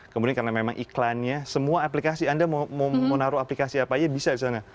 kemudian karena memang iklannya semua aplikasi anda mau menaruh aplikasi apa saja bisa